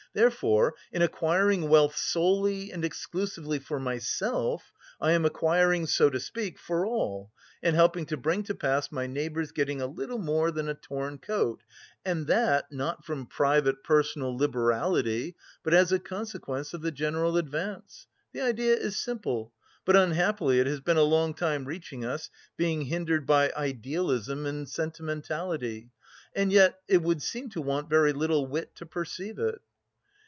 Therefore, in acquiring wealth solely and exclusively for myself, I am acquiring, so to speak, for all, and helping to bring to pass my neighbour's getting a little more than a torn coat; and that not from private, personal liberality, but as a consequence of the general advance. The idea is simple, but unhappily it has been a long time reaching us, being hindered by idealism and sentimentality. And yet it would seem to want very little wit to perceive it..."